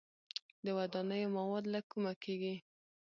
د ودانیو مواد له کومه کیږي؟